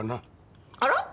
あら？